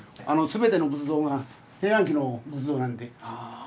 全ての仏像が平安期の仏像なんで。